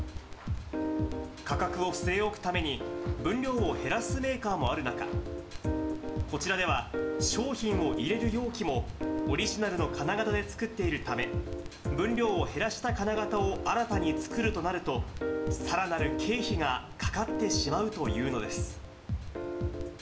価格を据え置くために、分量を減らすメーカーもある中、こちらでは、商品を入れる容器も、オリジナルの金型で作っているため、分量を減らした金型を新たに作るとなると、さらなる経費がかかってしまうというのです。